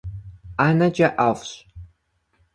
ӀэнэкӀэ ӀэфӀщ.